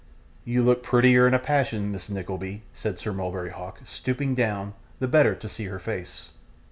'You look prettier in a passion, Miss Nickleby,' said Sir Mulberry Hawk, stooping down, the better to see her face.